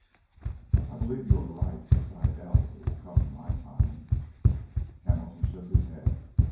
'" "I believe you are right, but I doubt if it comes in my time." Hamilton shook his head.